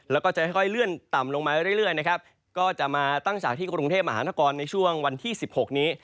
แล้วก็จะค่อยเลื่อนต่ำลงมาเรื่อยนะครับก็จะมาตั้งฉากที่กรุงเทพมหานครในช่วงวันที่๑๖นี้